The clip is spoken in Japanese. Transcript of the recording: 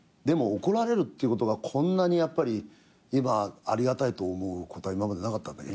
でも怒られるっていうことがこんなにやっぱり今ありがたいと思うことは今までなかった。